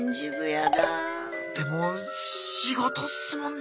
でも仕事っすもんね。